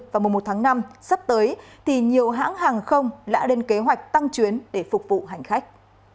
và một tháng năm sắp tới thì nhiều hãng hàng không đã đền kế hoạch tăng chuyến để phục vụ hành khách